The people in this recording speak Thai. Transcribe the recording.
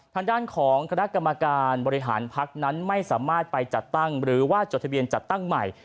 ทางด้านของคณะกรรมการบริหารพักนั้นไม่สามารถไปจัดตั้งหรือว่าจดทะเบียนจัดตั้งใหม่